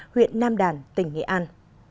huyện nam đàn tỉnh nghệ an